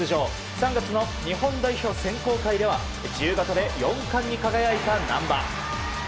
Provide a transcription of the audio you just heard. ３月の日本代表選考会では自由形で４冠に輝いた難波。